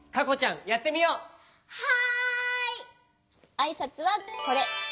あいさつはこれ。